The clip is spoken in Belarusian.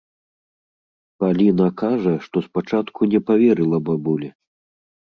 Паліна кажа, што спачатку не паверыла бабулі.